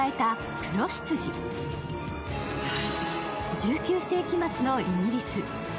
１９世紀末のイギリス。